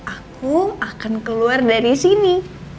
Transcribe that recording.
aku akan keluar dari sini